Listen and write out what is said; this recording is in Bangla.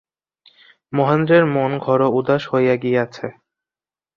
মহেন্দ্রের মন ঘোর উদাস হইয়া গিয়াছে।